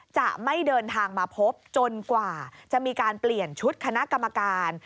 จะไม่เดินทางมาพบจนกว่าจะมีการเปลี่ยนชุดคณะกรรมการ